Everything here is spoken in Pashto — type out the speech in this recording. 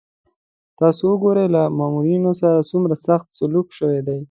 تاسو وګورئ له مامورینو سره څومره سخت سلوک شوی دی.